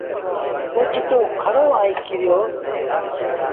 اوچتو ڪُرڙو آئي ڪريو۔